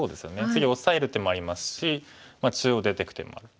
次オサえる手もありますし中央出ていく手もある。